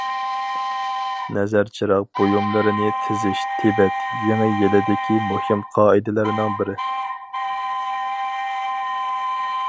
نەزىر- چىراغ بۇيۇملىرىنى تىزىش تىبەت يېڭى يىلىدىكى مۇھىم قائىدىلەرنىڭ بىرى.